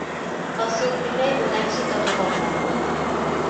El seu primer un èxit a tot el món.